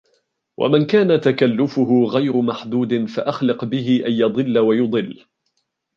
وَمَنْ كَانَ تَكَلُّفُهُ غَيْرَ مَحْدُودٍ فَأَخْلِقْ بِهِ أَنْ يَضِلَّ وَيُضِلَّ